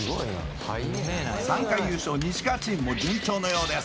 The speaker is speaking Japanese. ３回優勝西川チームも順調のようです